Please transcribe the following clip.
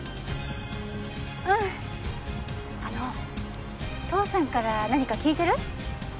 うんあの父さんから何か聞いてる？